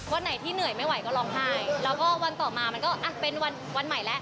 วันไหนที่เหนื่อยไม่ไหวก็ร้องไห้แล้วก็วันต่อมามันก็เป็นวันใหม่แล้ว